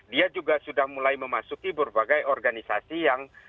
dia juga sudah mulai memasuki berbagai organisasi yang